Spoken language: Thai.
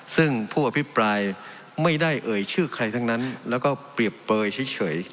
ซึ่งผู้อภิปรายไม่ได้เอ่ยชื่อใครทั้งนั้นแล้วก็เปรียบเปลยเฉย